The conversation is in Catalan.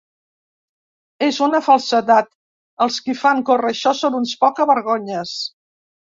És una falsedat! Els qui fan córrer això són uns poca-vergonyes.